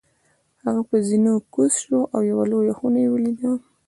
هغه په زینو کوز شو او یوه لویه خونه یې ولیده.